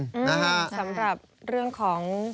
สำหรับเรื่องของ